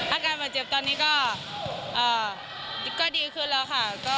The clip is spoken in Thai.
อาการบาดเจ็บตอนนี้ก็ดีขึ้นแล้วค่ะ